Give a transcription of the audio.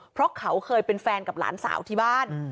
เพราะเขาเคยเป็นแฟนกับหลานสาวที่บ้าน